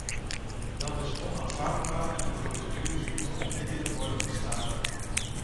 Dat is onaanvaardbaar en de procedures moeten onmiddellijk worden gestaakt.